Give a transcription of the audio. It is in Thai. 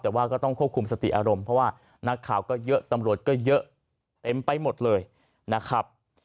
แต่ว่าก็ต้องควบคุมสติอารมณ์เพราะว่านักข่าวก็เยอะตำรวจก็เยอะเต็มไปหมดเลยนะครับ